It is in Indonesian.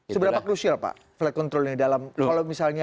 seberapa krusial pak flight control ini dalam kalau misalnya